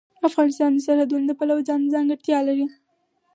افغانستان د سرحدونه د پلوه ځانته ځانګړتیا لري.